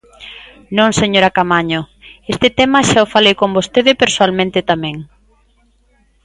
Non, señora Caamaño, este tema xa o falei con vostede persoalmente tamén.